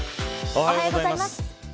おはようございます。